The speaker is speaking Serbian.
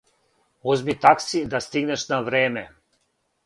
Узми такси да стигнеш на време!